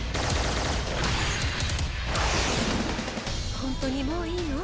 ホントにもういいの？